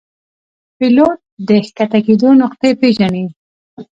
پیلوټ د ښکته کېدو نقطه پیژني.